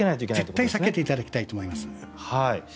絶対に避けていただきたいと思います。